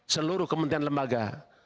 seluruh kementerian lembaga